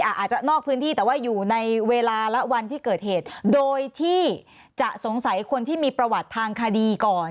อาจจะนอกพื้นที่แต่ว่าอยู่ในเวลาและวันที่เกิดเหตุโดยที่จะสงสัยคนที่มีประวัติทางคดีก่อน